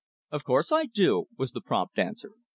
"Of course I do," was the prompt answer.